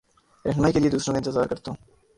رہنمائ کے لیے دوسروں کا انتظار کرتا ہوں